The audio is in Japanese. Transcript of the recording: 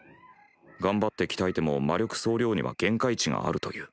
頑張って鍛えても魔力総量には限界値があるという。